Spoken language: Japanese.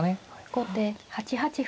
後手８八歩。